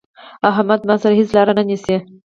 احمد زما سره هيڅ لار نه نيسي.